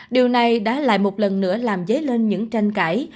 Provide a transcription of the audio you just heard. điều này đã lại một lần nữa làm dấy lên những tranh cãi